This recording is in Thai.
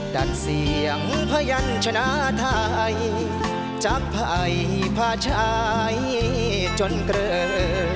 ดัดเสียงพยันชนะไทยจากภัยพาชายจนเกลอ